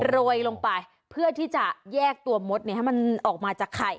โรยลงไปเพื่อที่จะแยกตัวมดให้มันออกมาจากไข่